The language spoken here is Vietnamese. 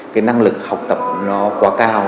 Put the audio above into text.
cái năng lực học tập nó quá cao